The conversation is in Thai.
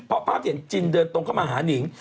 เพราะภาพที่เห็นจินเดินตรงเข้ามาหานิง